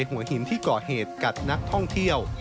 หัวหินที่ก่อเหตุกัดนักท่องเที่ยว